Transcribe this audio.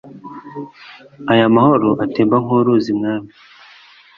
aya mahoro atemba nk'uruzi, mwami